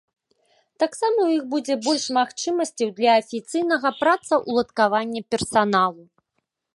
Таксама ў іх будзе больш магчымасцяў для афіцыйнага працаўладкавання персаналу.